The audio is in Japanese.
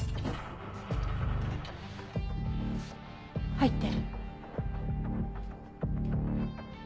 入って。